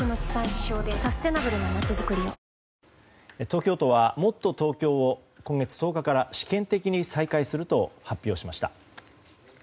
東京都はもっとＴｏｋｙｏを今月１０日から試験的に再開すると発表しました。